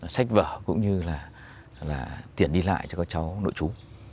sách vở cũng như là tiền đi lại cho các cháu nội chú